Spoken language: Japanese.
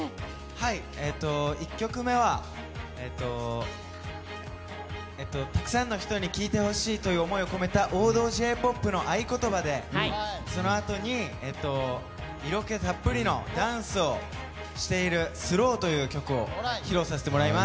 はい、１曲目は、たくさんの人に聴いてほしいという思いを込めた王道Ｊ‐ＰＯＰの「あいことば」でそのあとに色気たっぷりのダンスをしている「ｓｌｏｗ．．．」という曲を披露させてもらいます。